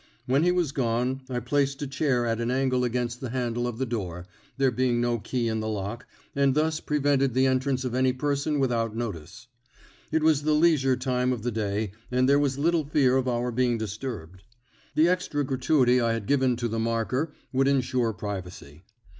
When he was gone I placed a chair at an angle against the handle of the door, there being no key in the lock, and thus prevented the entrance of any person without notice. It was the leisure time of the day, and there was little fear of our being disturbed. The extra gratuity I had given to the marker would insure privacy.